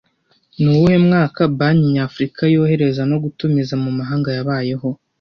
Nuwuhe mwaka, Banki nyafurika yohereza no gutumiza mu mahanga yabayeho